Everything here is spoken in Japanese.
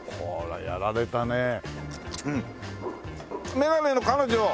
眼鏡の彼女！